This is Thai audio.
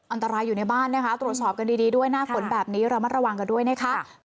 อันตรายอยู่ในบ้านนะคะตรวจสอบกันดีด้วยหน้าฝนแบบนี้ระมัดระวังกันด้วยนะคะ